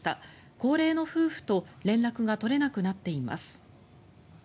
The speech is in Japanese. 高齢の夫婦と連絡が取れなくなっています。